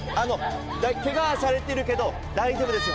けがされてるけど大丈夫ですよ。